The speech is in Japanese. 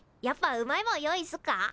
やっぱうまいもん用意すっか？